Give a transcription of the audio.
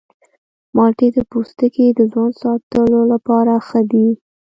مالټې د پوستکي د ځوان ساتلو لپاره ښه دي.